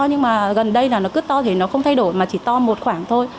nhưng mà gần đây là nó cứ to thì nó không thay đổi mà chỉ to một khoảng thôi